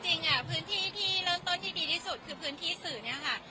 จริงพื้นที่ที่เริ่มต้นที่ดีที่สุดคือพื้นที่สื่อเนี่ยค่ะ